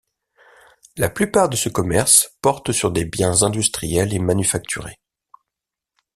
La plupart de ce commerce porte sur des biens industriels et manufacturés.